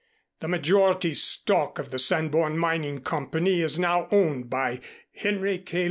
The majority stock of the Sanborn Mining Company is now owned by Henry K.